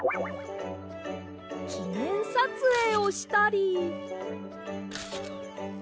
きねんさつえいをしたり。